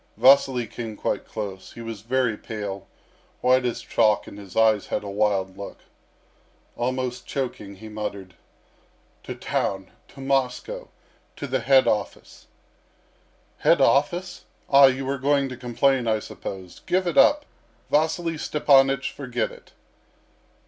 Vasily came quite close. He was very pale, white as chalk, and his eyes had a wild look. Almost choking, he muttered: "To town to Moscow to the head office." "Head office? Ah, you are going to complain, I suppose. Give it up! Vasily Stepanych, forget it."